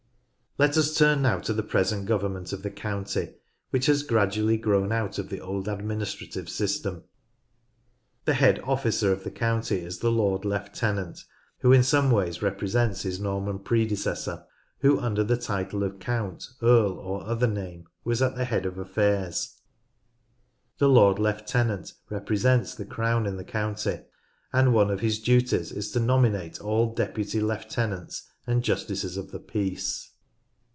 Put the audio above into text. Let us turn now to the present government of the county, which has gradually grown out of the old adminis trative system. The head officer of the county is the Lord Lieutenant, who in some ways represents his Norman predecessor, who under the title of count, earl, or other name, was at the head of affairs. The Lord Lieutenant represents the Crown in the county, and one of his duties is to nominate all Deputy Lieutenants and Justices of the Peace.